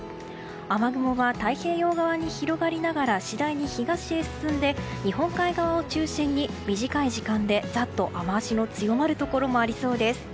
雨雲が太平洋側に広がりながら次第に東へ進んで日本海側を中心に短い時間で、ざっと雨脚の強まるところもありそうです。